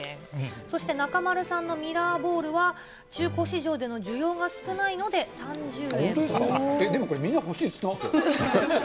そして中丸さんのミラーボールは、中古市場での需要が少ないので３０円と。